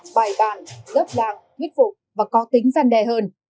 bài bàn gấp đảng quyết phục và có tính gian đề hơn